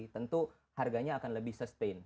tentu harganya akan lebih sustain